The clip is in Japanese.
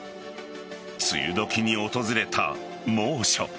梅雨時に訪れた猛暑。